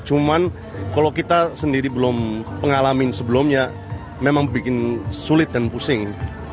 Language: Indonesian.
cuman kalau kita sendiri belum pengalaman sebelumnya memang bikin sulit dan pusing